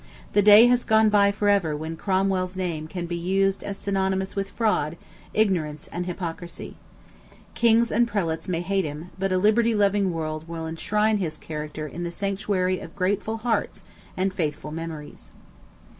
The day has gone by forever when Cromwell's name can be used as synonymous with fraud, ignorance, and hypocrisy. Kings and prelates may hate him, but a liberty loving world will enshrine his character in the sanctuary of grateful hearts and faithful memories.